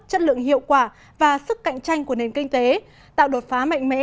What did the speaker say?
chất lượng hiệu quả và sức cạnh tranh của nền kinh tế tạo đột phá mạnh mẽ